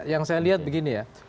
yang saya lihat begini ya